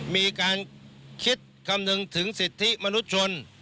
มีการคิดคำนึงถึงสิทธิมนุษยชน